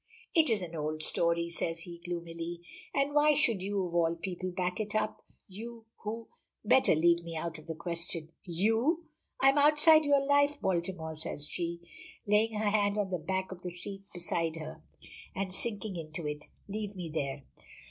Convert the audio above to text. "It is an old story," says he gloomily, "and why should you, of all people, back it up? You who " "Better leave me out of the question." "You!" "I am outside your life, Baltimore," says she, laying her hand on the back of the seat beside her, and sinking into it. "Leave me there!"